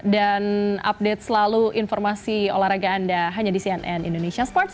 dan update selalu informasi olahraga anda hanya di cnn indonesia sports